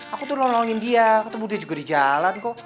aku tuh nolongin dia ketemu dia juga di jalan kok